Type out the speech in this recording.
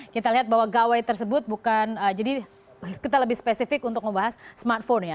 kita lihat bahwa gawai tersebut bukan jadi kita lebih spesifik untuk membahas smartphone ya